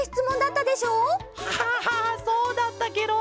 はあそうだったケロ。